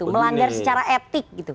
melanggar secara etik